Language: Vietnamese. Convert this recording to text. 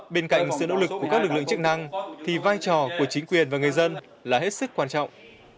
bên cạnh sự nỗ lực của các lực lượng chức năng thì vai trò của chính quyền và người dân là hết sức quan trọng